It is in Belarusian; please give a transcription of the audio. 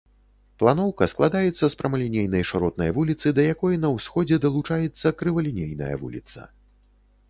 Планоўка складаецца з прамалінейнай шыротнай вуліцы, да якой на ўсходзе далучаецца крывалінейная вуліца.